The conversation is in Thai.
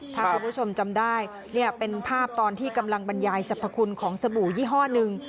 ถ้าคุณผู้ชมจำได้เนี่ยเป็นภาพตอนที่กำลังบรรยายสรรพคุณของสบู่ยี่ห้อหนึ่ง